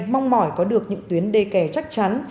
mong mỏi có được những tuyến đê kè chắc chắn